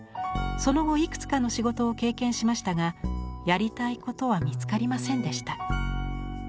その後いくつかの仕事を経験しましたがやりたいことは見つかりませんでした。